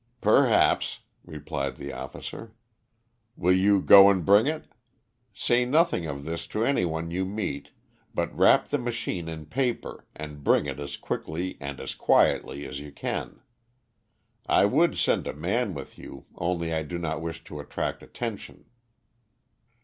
"Perhaps," replied the officer. "Will you go and bring it? Say nothing of this to any one you meet, but wrap the machine in paper and bring it as quickly and as quietly as you can. I would send a man with you, only I do not wish to attract attention."